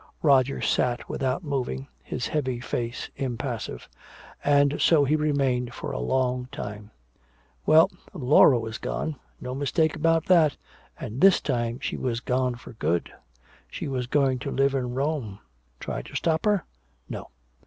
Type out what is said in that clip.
Roger sat without moving, his heavy face impassive. And so he remained for a long time. Well, Laura was gone no mistake about that and this time she was gone for good. She was going to live in Rome. Try to stop her? No.